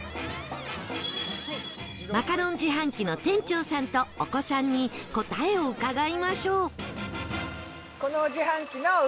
マカロン自販機の店長さんとお子さんに答えを伺いましょう